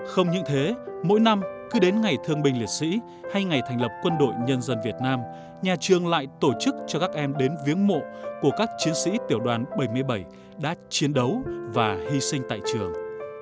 không những thế mỗi năm cứ đến ngày thương bình liệt sĩ hay ngày thành lập quân đội nhân dân việt nam nhà trường lại tổ chức cho các em đến viếng mộ của các chiến sĩ tiểu đoàn bảy mươi bảy đã chiến đấu và hy sinh tại trường